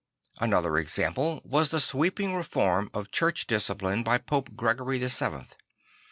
Another example was the sweeping reform of Church discipline by Pope Gregory the Seventh.